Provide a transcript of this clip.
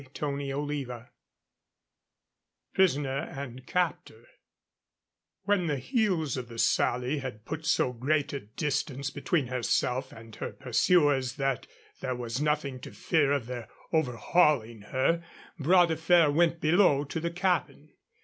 CHAPTER XII PRISONER AND CAPTOR When the heels of the Sally had put so great a distance between herself and her pursuers that there was nothing to fear of their overhauling her, Bras de Fer went below to the cabin.